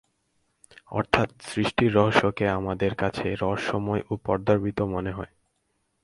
অর্থাৎ সৃষ্টির রহস্যকে আমাদের কাছে রহস্যময় ও পর্দাবৃত মনে হয়।